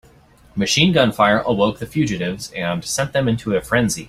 Machine gun fire awoke the fugitives and sent them into a frenzy.